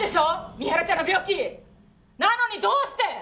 美晴ちゃんの病気！なのにどうして？